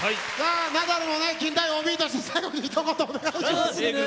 ナダルもね近大ＯＢとして最後にひと言お願いします。